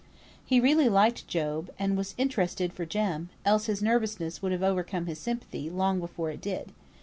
He really liked Job, and was interested for Jem, else his nervousness would have overcome his sympathy long before it did.